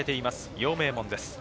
陽明門です。